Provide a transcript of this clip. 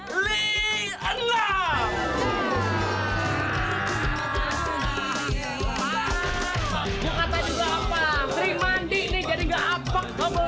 gua kata juga apa sering mandi nih jadi gak apak kabel